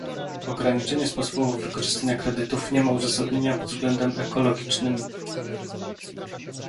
Ograniczanie sposobów wykorzystania kredytów nie ma uzasadnienia pod względem ekologicznym